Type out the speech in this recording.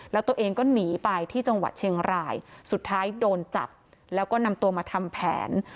แล้วตัวเองก็หนีไปที่จังหวัดเชียงรายสุดท้ายโดนจับแล้วก็นำตัวมาทำแผน